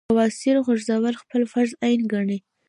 بواسير غورزول خپل فرض عېن ګڼي -